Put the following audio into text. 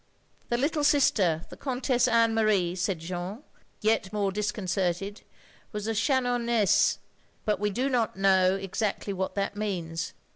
"The little sister, the Comtesse Anne Marie," said Jeaime, yet more disconcerted, "was a Chanoinesse, but we do not know exactly what that means.